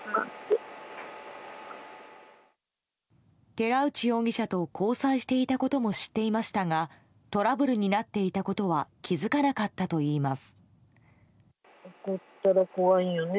寺内容疑者と交際していたことも知っていましたがトラブルになっていたことは気づかなかったといいます。